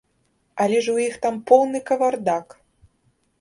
Але ж у іх там поўны кавардак!